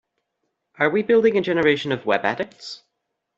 Are we building a generation of web addicts?